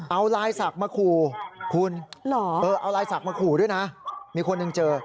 เอาลายสักมาขู่คุณเออเอาลายสักมาขู่ด้วยนะมีคนนึงเจอ